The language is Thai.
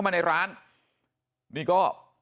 นี่คุณตูนอายุ๓๗ปีนะครับ